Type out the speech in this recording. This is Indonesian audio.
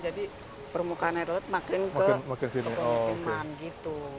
jadi permukaan air laut makin ke permukaan man gitu